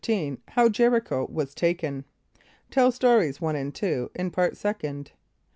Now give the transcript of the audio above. How Jericho was Taken. (Tell Stories 1 and 2 in Part Second.)